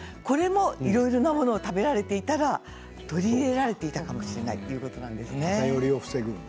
これもいろいろなものが食べられていたらとり入れられていたかもしれないということですね。